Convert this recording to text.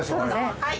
はい。